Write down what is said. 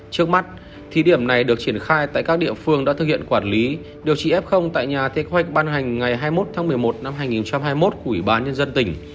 trước mắt thí điểm này được triển khai tại các địa phương đã thực hiện quản lý điều trị f tại nhà theo kế hoạch ban hành ngày hai mươi một tháng một mươi một năm hai nghìn hai mươi một của ủy ban nhân dân tỉnh